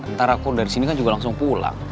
ntar aku dari sini kan juga langsung pulang